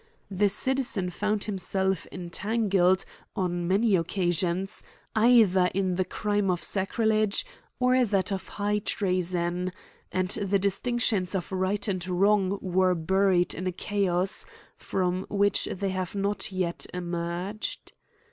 The citizen found himself entangled on many occasi ons, either in the crime of sacrilege or that of high treason ; and the distinctions of right and wrong were buried in a chaos, from which they have not yet emerged.